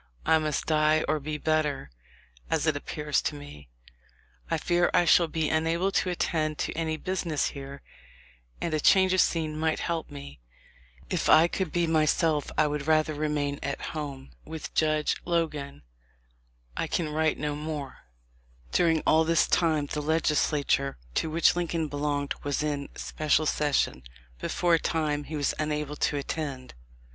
I must die or be better, as it appears to me. .. I fear 1 shall be unable to attend to any business here, and a change of scene might help me. If I could be myself I would rather remain at home with Judge Logan. I can write no more." During all this time the Legislature to which Lin coln belonged was in special session, but for a time * J. F. Speed, MS. letter, January 6, 1866. 216 THE LIFE OF LINCOLN. he was unable to attend.